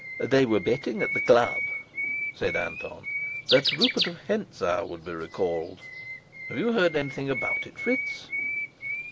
"They were betting at the club," said Anton, "that Rupert of Hentzau would be recalled. Have you heard anything about it, Fritz?"